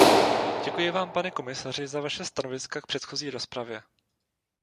Děkuji vám, pane komisaři, za vaše stanoviska k předchozí rozpravě.